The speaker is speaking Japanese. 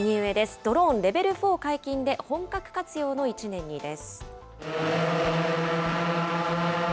ドローン、レベル４解禁で本格活用の１年にです。